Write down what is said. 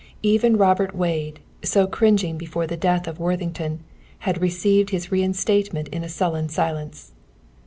Even Robert Wade, so cringing before the death of Worthington, had received his reinstatement in a sullen silence.